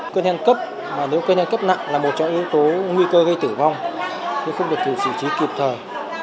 cơn hen cấp nếu cơn hen cấp nặng là một trong yếu tố nguy cơ gây tử vong nhưng không được tùy sử trí kịp thời